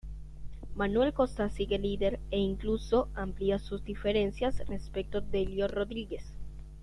Manuel Costa sigue líder e, incluso amplía sus diferencias respecto Delio Rodríguez.